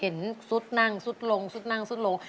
ซุดนั่งซุดลงซุดนั่งซุดลง